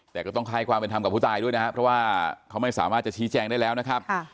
แต่ก็ต้องให้ความเป็นธรรมกับผู้ตายด้วยนะครับเพราะว่าเขาไม่สามารถจะชี้แจงได้แล้วนะครับ